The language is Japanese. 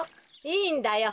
いいんだよ。